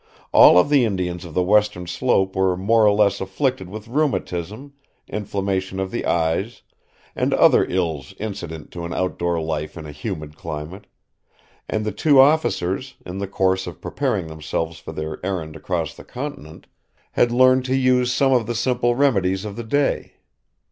All of the Indians of the Western slope were more or less afflicted with rheumatism, inflammation of the eyes, and other ills incident to an outdoor life in a humid climate; and the two officers, in the course of preparing themselves for their errand across the continent, had learned to use some of the simple remedies of the day.